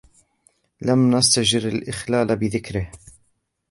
وَلَمْ نَسْتَجِزْ الْإِخْلَالَ بِذِكْرِهِ